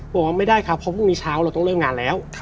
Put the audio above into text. บอกว่าไม่ได้ครับเพราะพรุ่งนี้เช้าเราต้องเริ่มงานแล้ว